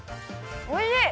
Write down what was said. おいしい！